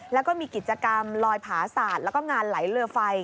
แล้วก็มีกิจกรรมลอยผาศาสตร์แล้วก็งานไหลเรือไฟ